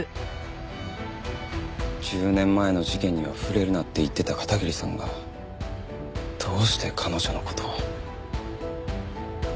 １０年前の事件には触れるなって言ってた片桐さんがどうして彼女の事を。